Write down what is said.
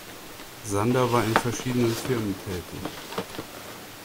Sander war in verschiedenen Firmen tätig.